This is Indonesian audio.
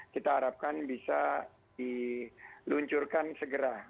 kita harapkan bisa diluncurkan segera